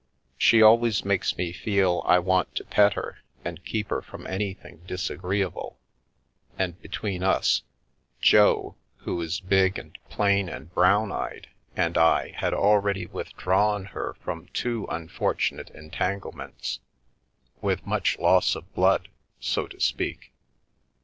She always makes me feel I want to pet her and keep her from anything disagreeable, and between us, Jo (who is big and plain and brown eyed) 99 The Milky Way and I had already withdrawn her from two unfortunate entanglements, with much loss of blood, so to speak.